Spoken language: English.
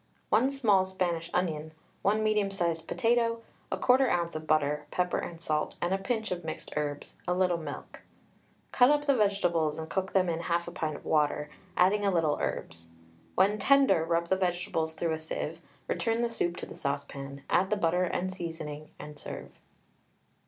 1 small Spanish onion, 1 medium sized potato, 1/4 oz. of butter, pepper and salt and a pinch of mixed herbs, a little milk. Cut up the vegetables and cook them in 1/2 pint of water, adding a little herbs. When tender, rub the vegetables through a sieve, return the soup to the saucepan, add the butter and seasoning, and serve.